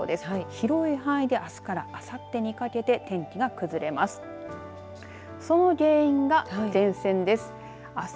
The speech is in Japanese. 広い範囲であすから、あさってにかけて天気が崩れます。